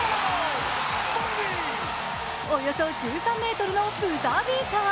およそ１３ｍのブザービーター。